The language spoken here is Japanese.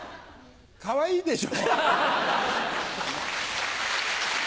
かわいいでしょう。